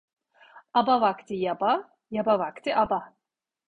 Aba vakti yaba, yaba vakti aba.